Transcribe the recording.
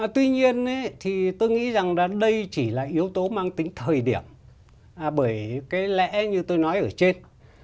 tuy nhiên thì tôi nghĩ rằng là đây chỉ là yếu tố mang tính thời điểm bởi cái lẽ như tôi nói ở trên